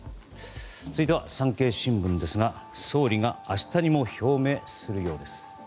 続いては産経新聞ですが総理が明日にも表明するようです。